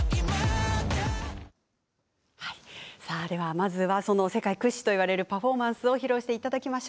まずは世界屈指と言われるパフォーマンスを披露していただきます。